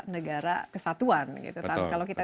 negara kesatuan gitu tapi kalau kita